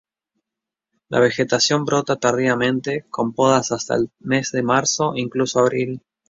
La vegetación brota tardíamente, con podas hasta el mes de marzo incluso abril.